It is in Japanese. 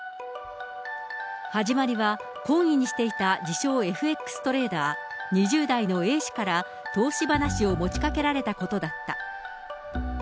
始まりは、懇意にしていた自称、ＦＸトレーダー、２０代のＡ氏から投資話を持ちかけられたことだった。